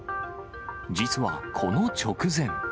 実はこの直前。